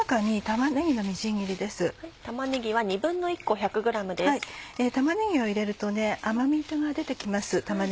玉ねぎを入れると甘みが出て来ます。